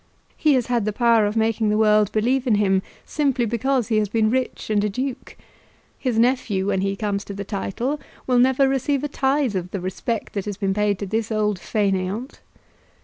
He has had the power of making the world believe in him simply because he has been rich and a duke. His nephew, when he comes to the title, will never receive a tithe of the respect that has been paid to this old fainéant."